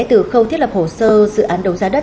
từ khâu thiết lập hồ sơ dự án đấu giá đất